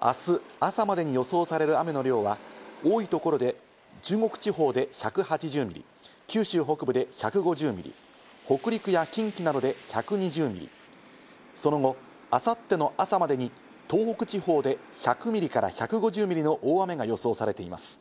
明日朝までに予想される雨の量は多いところで中国地方で１８０ミリ、九州北部で１５０ミリ、北陸や近畿などで１２０ミリ、その後、明後日の朝までに東北地方で１００ミリから１５０ミリの大雨が予想されています。